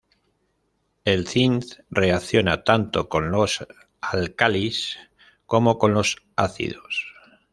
El cinc reacciona tanto con los álcalis como con los ácidos.